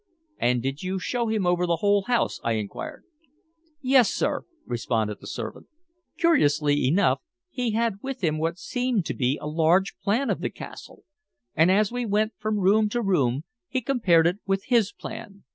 "And did you show him over the whole house?" I inquired. "Yes, sir," responded the servant. "Curiously enough he had with him what seemed to be a large plan of the castle, and as we went from room to room he compared it with his plan.